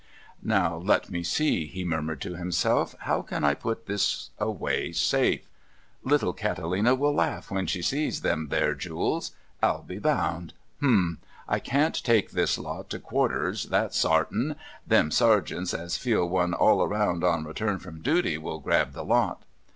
"Now, let me see," he murmured to himself, "how can I put this away safe? Little Catalina will laugh when she sees them there jewels, I'll be bound! Humph! I can't take this lot to quarters, that's sartin! Them sergeants, as feel one all round on return from duty, will grab the lot."